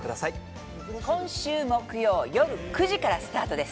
今週木曜よる９時からスタートです。